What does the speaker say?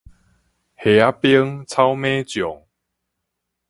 蝦仔兵，草蜢將